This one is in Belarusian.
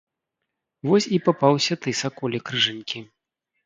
Вось і папаўся ты, саколік рыжанькі!